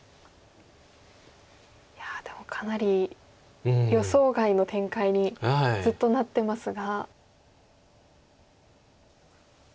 いやでもかなり予想外の展開にずっとなってますが。